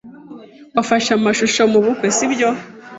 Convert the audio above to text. Wafashe amashusho mubukwe, sibyo?